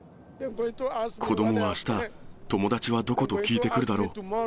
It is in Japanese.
子どもはあした、友達はどこと聞いてくるだろう。